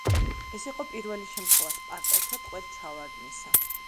ეს იყო პირველი შემთხვევა სპარტელთა ტყვედ ჩავარდნისა.